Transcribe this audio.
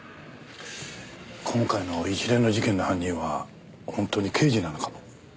今回の一連の事件の犯人は本当に刑事なのかも。